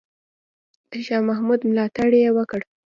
د شاه محمود ملاتړ یې وکړ.